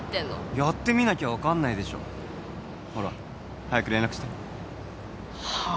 やってみなきゃ分かんないでしょほら早く連絡してはあ？